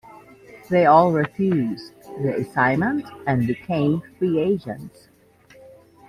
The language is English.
They all refused the assignment and became free agents.